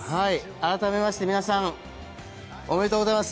改めまして皆さんおめでとうございます。